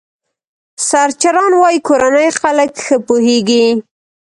سرچران وايي کورني خلک ښه پوهېږي.